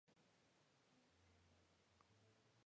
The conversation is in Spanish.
Pero la verdadera historia aún está por descubrirse.